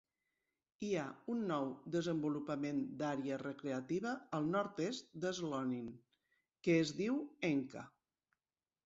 Hi ha un nou desenvolupament d'àrea recreativa al nord-est de Slonim que es diu Enka.